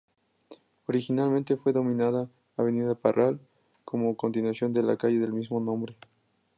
Originalmente fue denominada "Avenida Parral", como continuación de la calle del mismo nombre.